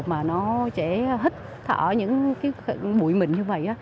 mà nó chả hít thở những bụi mịn như vậy